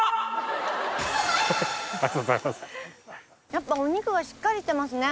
やっぱお肉がしっかりしてますね。